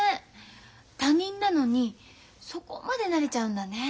他人なのにそこまでなれちゃうんだね